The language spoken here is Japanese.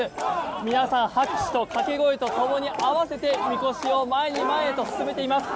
皆さん、拍手と掛け声に合わせてみこしを前へ前へと進めています。